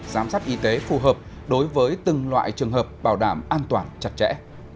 giám sát y tế phù hợp đối với từng loại trường hợp bảo đảm an toàn chặt chẽ